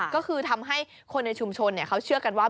ก็คือทำให้คนในชุมชนเขาเชื่อกันว่า